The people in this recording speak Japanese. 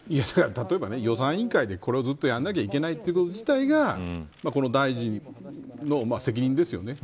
例えば、予算委員会でこれをずっとやらなきゃいけないということ自体がこの大臣の責任ですよね。